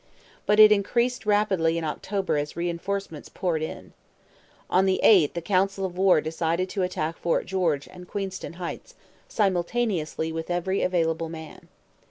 But it increased rapidly in October as reinforcements poured in. On the 8th a council of war decided to attack Fort George and Queenston Heights simultaneously with every available man.